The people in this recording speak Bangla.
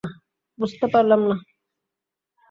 বুঝতে পারলাম না।